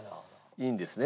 いいんですね？